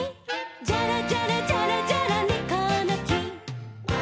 「ジャラジャラジャラジャラネコのき」